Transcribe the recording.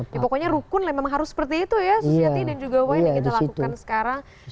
ya pokoknya rukun memang harus seperti itu ya susiati dan juga wain yang kita lakukan sekarang